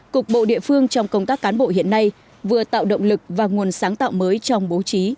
cục bộ địa phương trong công tác cán bộ hiện nay vừa tạo động lực và nguồn sáng tạo mới trong bố trí